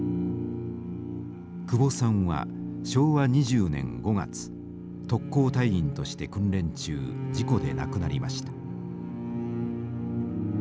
久保さんは昭和２０年５月特攻隊員として訓練中事故で亡くなりました。